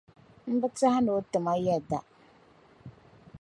N bi tiɛhi ni o tima yɛda.